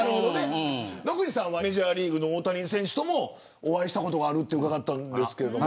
野口さんはメジャーリーグの大谷選手ともお会いしたことがあるとお伺いしました。